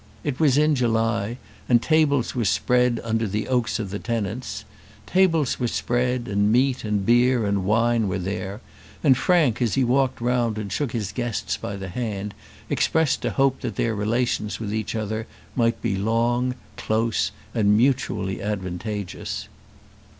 It was in July, and tables were spread under the oaks for the tenants. Tables were spread, and meat, and beer, and wine were there, and Frank, as he walked round and shook his guests by the hand, expressed a hope that their relations with each other might be long, close, and mutually advantageous.